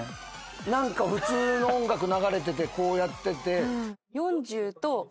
何か普通の音楽が流れててこうやってて。